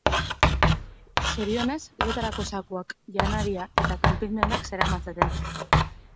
Zorionez, lotarako zakuak, janaria eta kanpin dendak zeramatzaten.